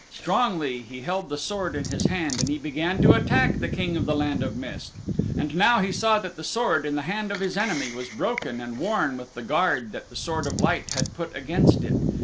Strongly he held the sword in his hand and he began to attack the King of the Land of Mist. And now he saw that the sword in the hand of his enemy was broken and worn with the guard that the Sword of Light had put against it.